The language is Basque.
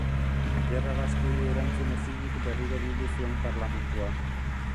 Gerra gastuei erantzun ezinik berriro bildu zuen Parlamentua.